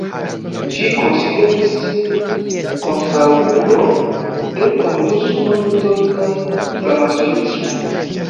Ĝi konsideris sin kontraŭulo de komunismo, judoj kaj framasonismo.